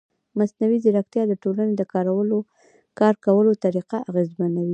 مصنوعي ځیرکتیا د ټولنې د کار کولو طریقه اغېزمنوي.